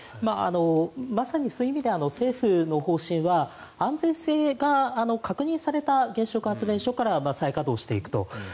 まさにそういう意味では政府の方針は安全性が確認された原子力発電所から再稼働していくと。